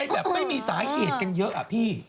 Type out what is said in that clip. แล้วจะรู้จังไง